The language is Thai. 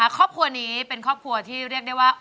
ครอบครัวนี้เป็นครอบครัวที่เรียกได้ว่า